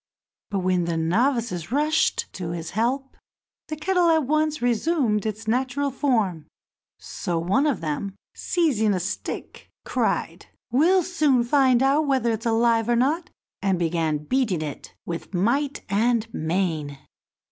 But when the novices rushed to his help, the kettle at once resumed its natural form; so one of them, seizing a stick, cried, "We'll soon find out whether it's alive or not," and began beating it with might and main.